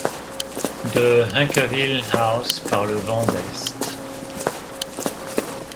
De Hunkerville house, par le vent d’est